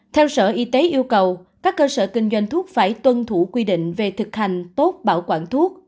theo sở y tế yêu cầu các cơ sở kinh doanh thuốc phải tuân thủ quy định về thực hành tốt bảo quản thuốc